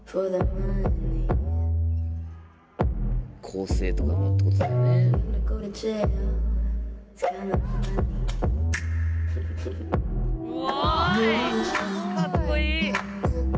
構成とかもってことだよね。